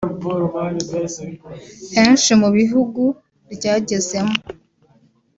Henshi mu bihugu ryagezemo